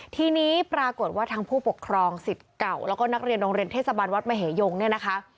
ทีนี้ปรากฏว่าทางผู้ปกครองสิทธิ์เก่าแล้วก็นักเรียนโรงเรียนเทศบาลวัดมเหยงเนี่ยนะคะ